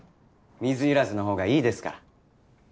水入らずのほうがいいですから。